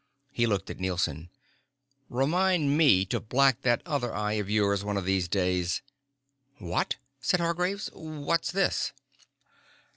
He looked at Nielson. "Remind me to black that other eye of yours one of these days." "What?" said Hargraves. "What's this?"